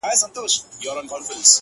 o د زړه په هر درب كي مي ته اوســېږې،